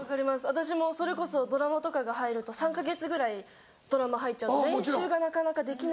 私もそれこそドラマとかが入ると３か月ぐらいドラマ入っちゃうと練習がなかなかできないので。